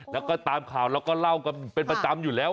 แล้วก็ตามข่าวเราก็เล่ากันเป็นประจำอยู่แล้ว